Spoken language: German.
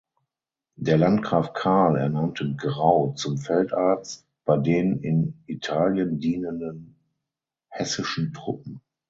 Der Landgraf Karl ernannte Grau zum Feldarzt bei den in Italien dienenden hessischen Truppen.